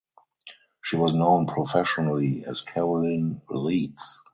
She was known professionally as Caroline Leeds.